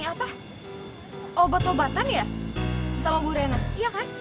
apa obat obatan ya sama bu rena iya kan